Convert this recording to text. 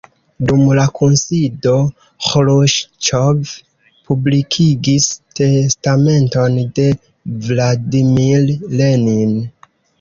Dum la kunsido, Ĥruŝĉov publikigis testamenton de Vladimir Lenin.